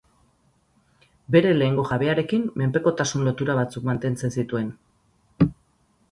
Bere lehengo jabearekin mendekotasun lotura batzuk mantentzen zituen.